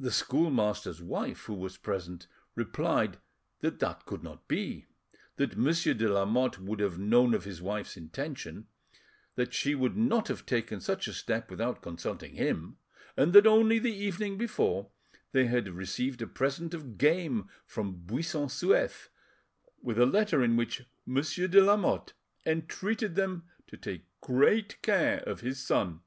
The schoolmaster's wife, who was present, replied that that could not be; that Monsieur de Lamotte would have known of his wife's intention; that she would not have taken such a step without consulting him; and that only the evening before, they had received a present of game from Buisson Souef, with a letter in which Monsieur de Lamotte entreated them to take great, care of his son.